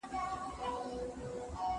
زه له سهاره لوښي وچوم!؟